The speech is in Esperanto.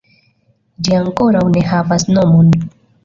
Ĝi ankoraŭ ne havas nomon.